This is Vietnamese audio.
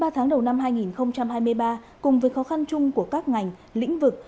ba tháng đầu năm hai nghìn hai mươi ba cùng với khó khăn chung của các ngành lĩnh vực